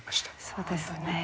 そうですね。